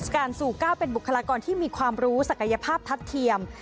การสู่ก้าวเป็นบุคลากรที่มีความรู้ศักยภาพทัดเทียม